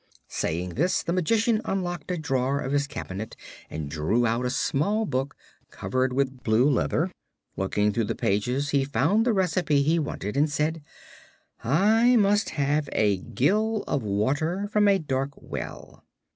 Saying this, the Magician unlocked a drawer of his cabinet and drew out a small book covered with blue leather. Looking through the pages he found the recipe he wanted and said: "I must have a gill of water from a dark well."